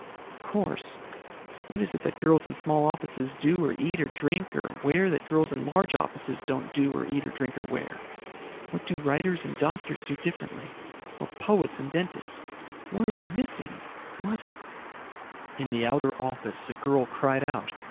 "Of course. What is it that girls in small offices do or eat or drink or wear that girls in large offices don't do or eat or drink or wear? What do writers and doctors do differently? Or poets and dentists? What are we missing? What "In the outer office a girl cried out.